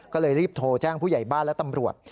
ก็เลยรีบโทรแจ้งผู้ใหญ่บ้านและตำรวจ